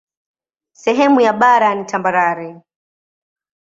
Sehemu ya bara ni tambarare.